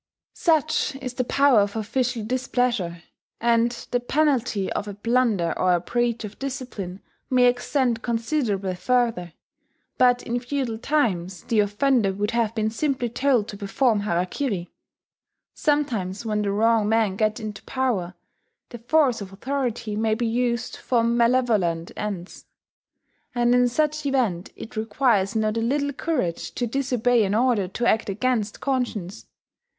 Such is the power of official displeasure; and the penalty of a blunder or a breach of discipline may extend considerably further but in feudal times the offender would have been simply told to perform harakiri. Sometimes, when the wrong men get into power, the force of authority may be used for malevolent ends; and in such event it requires not a little courage to disobey an order to act against conscience.